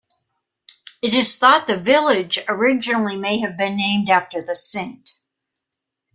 It is thought the village originally may have been named after the saint.